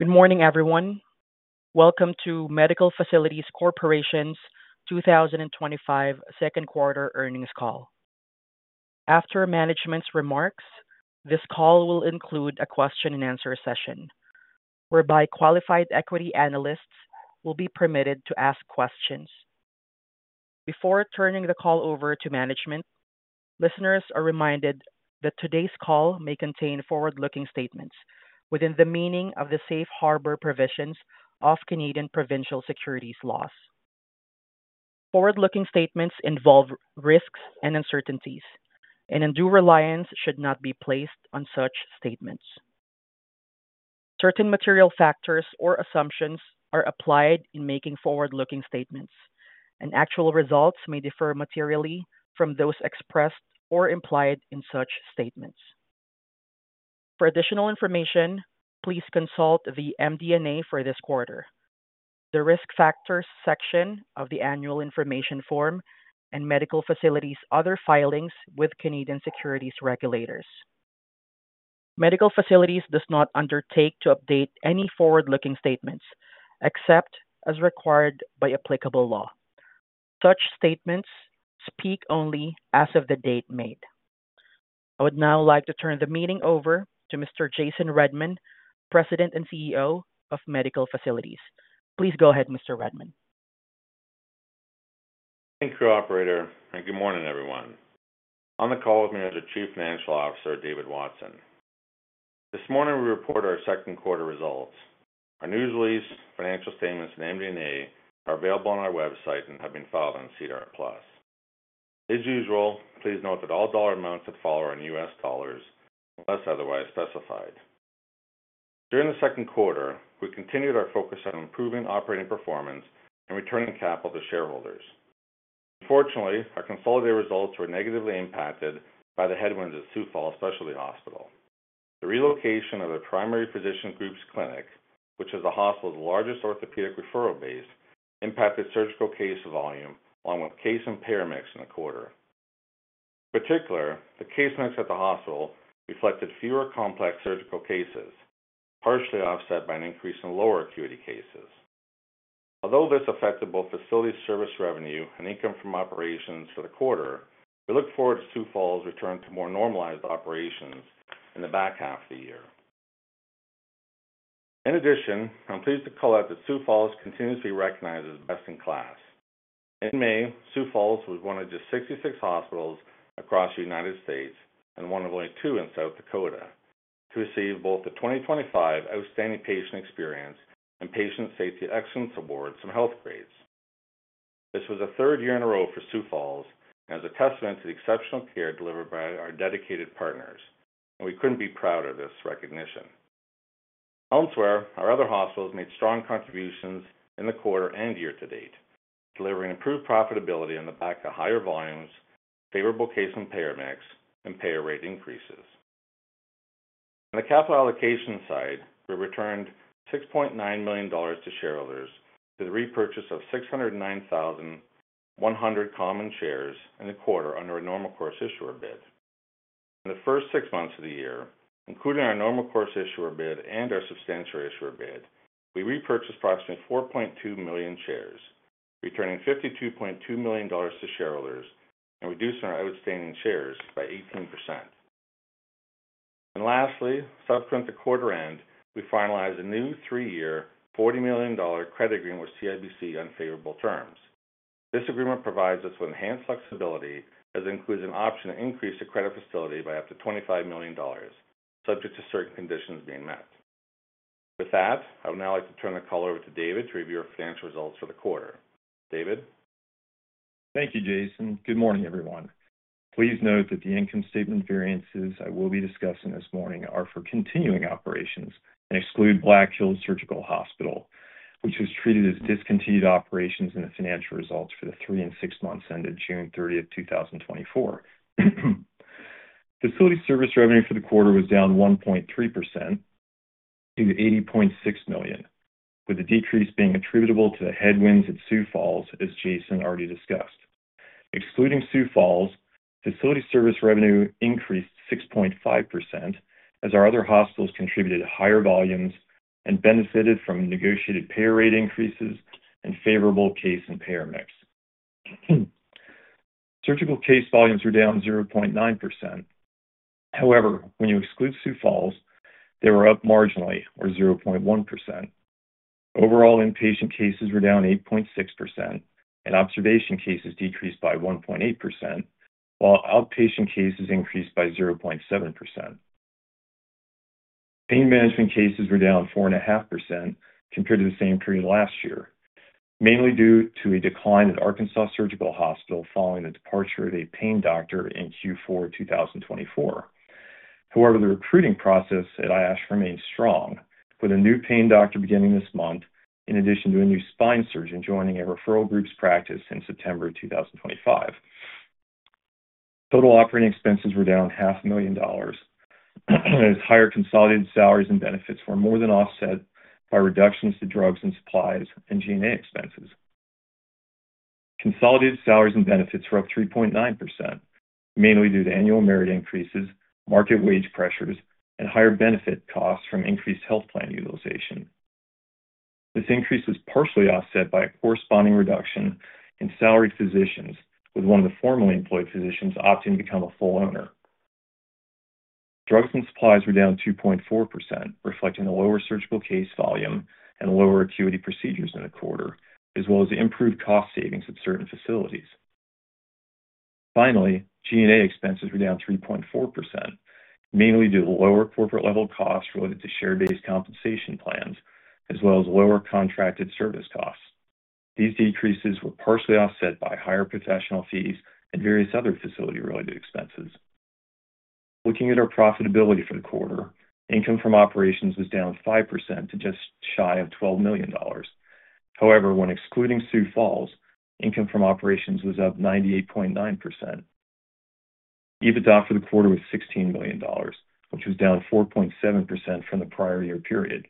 Good morning, everyone. Welcome to Medical Facilities Corporation's 2025 Second Quarter Earnings Call. After management's remarks, this call will include a question-and-answer session, whereby qualified equity analysts will be permitted to ask questions. Before turning the call over to management, listeners are reminded that today's call may contain forward-looking statements within the meaning of the Safe Harbor provisions of Canadian Provincial Securities Laws. Forward-looking statements involve risks and uncertainties, and undue reliance should not be placed on such statements. Certain material factors or assumptions are applied in making forward-looking statements, and actual results may differ materially from those expressed or implied in such statements. For additional information, please consult the MD&A for this quarter, the Risk Factors section of the Annual Information Form, and Medical Facilities' other filings with Canadian Securities Regulators. Medical Facilities does not undertake to update any forward-looking statements except as required by applicable law. Such statements speak only as of the date made. I would now like to turn the meeting over to Mr. Jason Redman, President and CEO of Medical Facilities. Please go ahead, Mr. Redman. Thank you, Operator, and good morning, everyone. On the call with me is our Chief Financial Officer, David Watson. This morning, we report our second quarter results. Our news release, financial statements, and MD&A are available on our website and have been filed on SEDAR Plus. As usual, please note that all dollar amounts should follow in U.S. dollars, unless otherwise specified. During the second quarter, we continued our focus on improving operating performance and returning capital to shareholders. Unfortunately, our consolidated results were negatively impacted by the headwinds at Sioux Falls Specialty Hospital. The relocation of the primary physician group's clinic, which is the hospital's largest orthopedic referral base, impacted surgical case volume along with case and payer mix in the quarter. In particular, the case mix at the hospital reflected fewer complex surgical cases, partially offset by an increase in lower acuity cases. Although this affected both facility service revenue and income from operations for the quarter, we look forward to Sioux Falls' return to more normalized operations in the back half of the year. In addition, I'm pleased to call out that Sioux Falls continues to be recognized as best in class. In May, Sioux Falls was one of just 66 hospitals across the United States and one of only two in South Dakota to receive both the 2025 Outstanding Patient Experience and Patient Safety Excellence awards from Healthgrades. This was the third year in a row for Sioux Falls and is a testament to the exceptional care delivered by our dedicated partners, and we couldn't be prouder of this recognition. Elsewhere, our other hospitals made strong contributions in the quarter and year to date, delivering improved profitability on the back of higher volumes, favorable case and payer mix, and payer rate increases. On the capital allocation side, we returned $6.9 million to shareholders through the repurchase of 609,100 common shares in the quarter under a normal course issuer bid. In the first six months of the year, including our normal course issuer bid and our substantial issuer bid, we repurchased approximately 4.2 million shares, returning $52.2 million to shareholders and reducing our outstanding shares by 18%. Lastly, subsequent to quarter-end, we finalized a new three-year, $40 million credit agreement with CIBC on favorable terms. This agreement provides us with enhanced flexibility as it includes an option to increase the credit facility by up to $25 million, subject to certain conditions being met. With that, I would now like to turn the call over to David to review our financial results for the quarter. David? Thank you, Jason. Good morning, everyone. Please note that the income statement variances I will be discussing this morning are for continuing operations and exclude Black Hills Surgical Hospital, which was treated as discontinued operations in the financial results for the three and six months ended June 30, 2024. Facility service revenue for the quarter was down 1.3% to $80.6 million, with a decrease being attributable to the headwinds at Sioux Falls, as Jason already discussed. Excluding Sioux Falls, facility service revenue increased 6.5% as our other hospitals contributed to higher volumes and benefited from negotiated payer rate increases and favorable case and payer mix. Surgical case volumes were down 0.9%. However, when you exclude Sioux Falls, they were up marginally, or 0.1%. Overall, inpatient cases were down 8.6% and observation cases decreased by 1.8%, while outpatient cases increased by 0.7%. Pain management cases were down 4.5% compared to the same period last year, mainly due to a decline at Arkansas Surgical Hospital following the departure of a pain doctor in Q4 2024. However, the recruiting process at Arkansas Surgical Hospital remains strong, with a new pain doctor beginning this month, in addition to a new spine surgeon joining a referral group's practice in September 2025. Total operating expenses were down half a million dollars, as higher consolidated salaries and benefits were more than offset by reductions to drugs and supplies and G&A expenses. Consolidated salaries and benefits were up 3.9%, mainly due to annual merit increases, market wage pressures, and higher benefit costs from increased health plan utilization. This increase was partially offset by a corresponding reduction in salaried physicians, with one of the formerly employed physicians opting to become a full owner. Drugs and supplies were down 2.4%, reflecting a lower surgical case volume and lower acuity procedures in the quarter, as well as improved cost savings at certain facilities. Finally, G&A expenses were down 3.4%, mainly due to lower corporate-level costs related to share-based compensation plans, as well as lower contracted service costs. These decreases were partially offset by higher professional fees and various other facility-related expenses. Looking at our profitability for the quarter, income from operations was down 5% to just shy of $12 million. However, when excluding Sioux Falls, income from operations was up 98.9%. EBITDA for the quarter was $16 million, which was down 4.7% from the prior year period.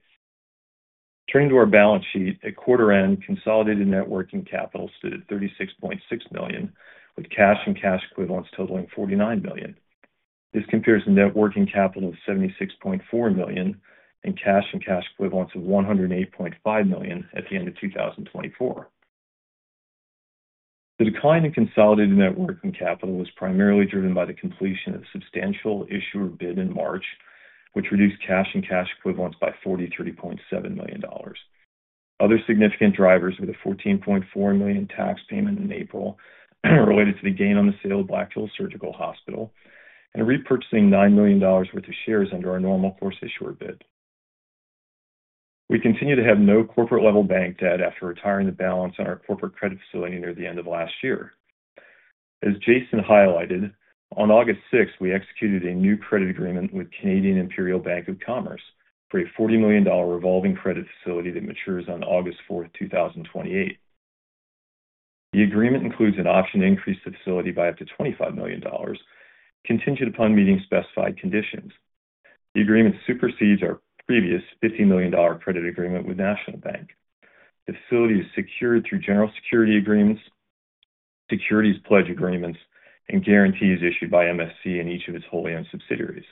Turning to our balance sheet, at quarter-end, consolidated net working capital stood at $36.6 million, with cash and cash equivalents totaling $49 million. This compares to net working capital of $76.4 million and cash and cash equivalents of $108.5 million at the end of 2024. The decline in consolidated net working capital was primarily driven by the completion of the substantial issuer bid in March, which reduced cash and cash equivalents by $43.7 million. Other significant drivers were the $14.4 million tax payment in April related to the gain on the sale of Black Hills Surgical Hospital and repurchasing $9 million worth of shares under our normal course issuer bid. We continue to have no corporate-level bank debt after retiring the balance on our corporate credit facility near the end of last year. As Jason highlighted, on August 6, we executed a new credit agreement with Canadian Imperial Bank of Commerce for a $40 million revolving credit facility that matures on August 4, 2028. The agreement includes an option to increase the facility by up to $25 million, contingent upon meeting specified conditions. The agreement supersedes our previous $50 million credit agreement with National Bank. The facility is secured through general security agreements, securities pledge agreements, and guarantees issued by MFC and each of its wholly owned subsidiaries.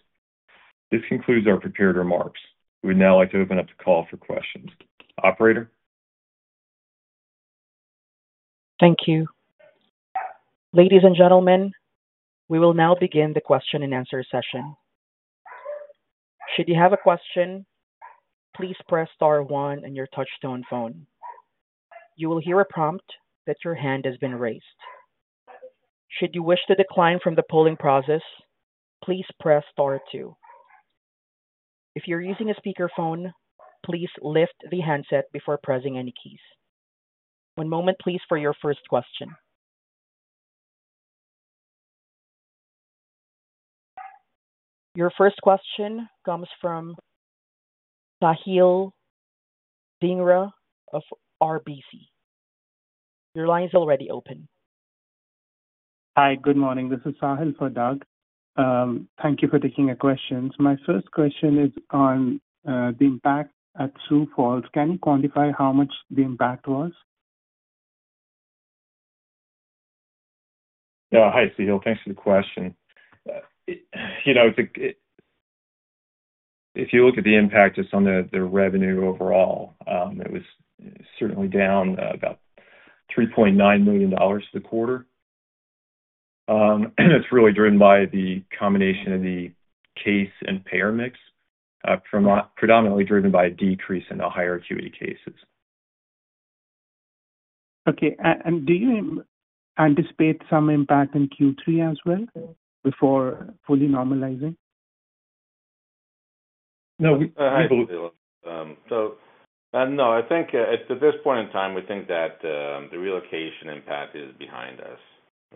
This concludes our prepared remarks. We would now like to open up the call for questions. Operator? Thank you. Ladies and gentlemen, we will now begin the question-and-answer session. Should you have a question, please press star one on your touch-tone phone. You will hear a prompt that your hand has been raised. Should you wish to decline from the polling process, please press star two. If you're using a speakerphone, please lift the handset before pressing any keys. One moment, please, for your first question. Your first question comes from Sahil Dhingra of RBC Capital Markets. Your line is already open. Hi, good morning. This is Sahil for Doug. Thank you for taking our questions. My first question is on the impact at Sioux Falls. Can you quantify how much the impact was? Yeah, hi, Siegel. Thanks for the question. If you look at the impact just on the revenue overall, it was certainly down about $3.9 million for the quarter. It's really driven by the combination of the case and payer mix, predominantly driven by a decrease in the higher acuity cases. Okay. Do you anticipate some impact in Q3 as well before fully normalizing? I believe it will. I think at this point in time, we think that the relocation impact is behind us.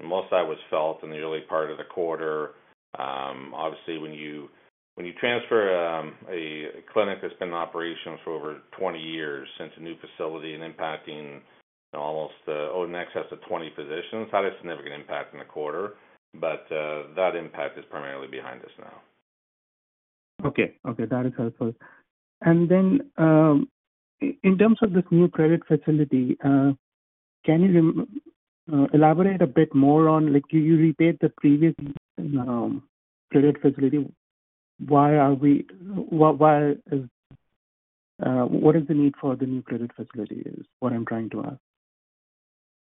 The most that was felt in the early part of the quarter, obviously, when you transfer a clinic that's been in operations for over 20 years into a new facility and impacting almost, oh, in excess of 20 physicians, had a significant impact in the quarter. That impact is primarily behind us now. Okay. That is helpful. In terms of this new credit facility, can you elaborate a bit more on, like, you repaired the previous credit facility. Why is, what is the need for the new credit facility is what I'm trying to ask?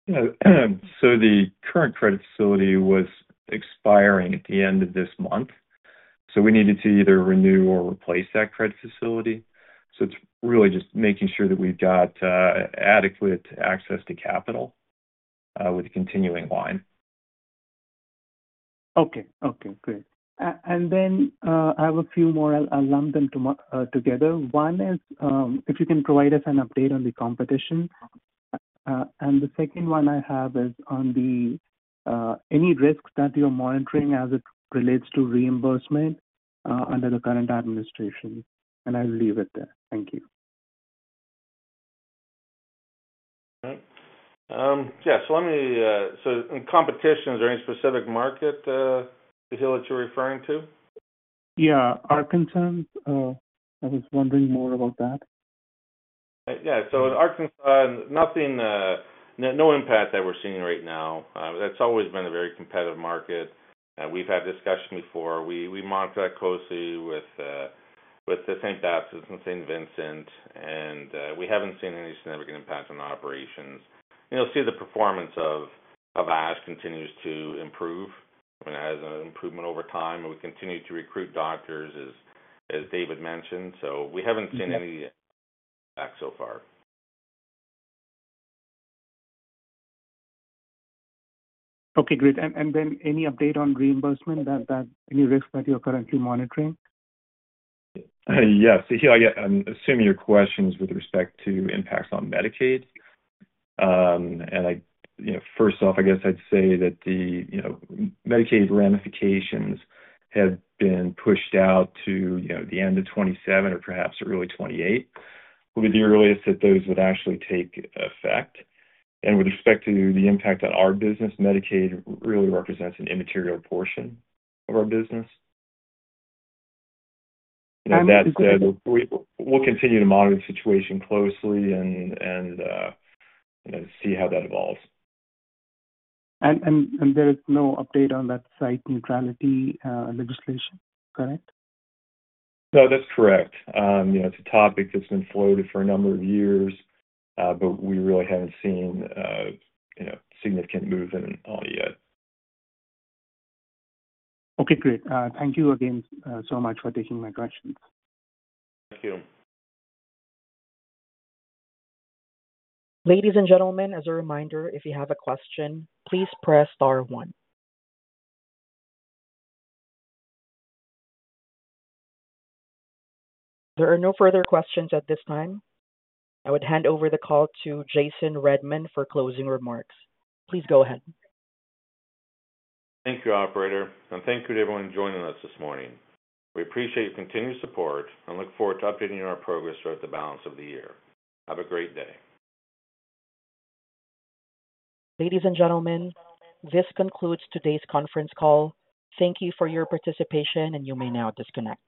The current credit facility was expiring at the end of this month. We needed to either renew or replace that credit facility. It's really just making sure that we've got adequate access to capital with a continuing line. Okay. Great. I have a few more. I'll lump them together. One is if you can provide us an update on the competition. The second one I have is on any risks that you're monitoring as it relates to reimbursement under the current administration. I'll leave it there. Thank you. All right. Let me, in competitions, is there any specific market, is it Arkansas, you're referring to? Yeah, Arkansas. I was wondering more about that. Yeah. Arkansas, nothing, no impact that we're seeing right now. That's always been a very competitive market. We've had discussions before. We monitor that closely with St. Baptist and St. Vincent, and we haven't seen any significant impact on operations. You'll see the performance of Arkansas Surgical Hospital continues to improve. I mean, as an improvement over time, and we continue to recruit doctors, as David mentioned. We haven't seen any impact so far. Okay. Great. Any update on reimbursement, any risks that you're currently monitoring? Yeah. Siegel, I'm assuming your question is with respect to impacts on Medicaid. First off, I'd say that the Medicaid ramifications have been pushed out to the end of 2027 or perhaps early 2028 will be the earliest that those would actually take effect. With respect to the impact on our business, Medicaid really represents an immaterial portion of our business. Understood. We'll continue to monitor the situation closely and see how that evolves. There is no update on that site neutrality legislation, correct? No, that's correct. It's a topic that's been floated for a number of years, but we really haven't seen significant movement on it yet. Okay. Great. Thank you again so much for taking my questions. Thank you. Ladies and gentlemen, as a reminder, if you have a question, please press star one. There are no further questions at this time. I would hand over the call to Jason Redman for closing remarks. Please go ahead. Thank you, Operator, and thank you to everyone joining us this morning. We appreciate your continued support and look forward to updating you on our progress throughout the balance of the year. Have a great day. Ladies and gentlemen, this concludes today's conference call. Thank you for your participation, and you may now disconnect.